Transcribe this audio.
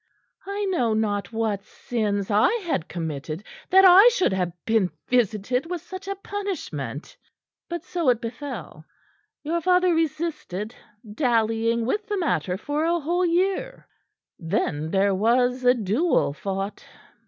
I know not what sins I had committed that I should have been visited with such a punishment. But so it befell. Your father resisted, dallying with the matter for a whole year. Then there was a duel fought.